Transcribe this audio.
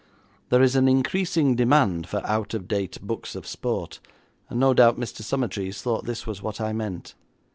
There is an increasing demand for out of date books of sport, and no doubt Mr. Summertrees thought this was what I meant.